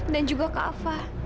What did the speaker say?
dan juga kafa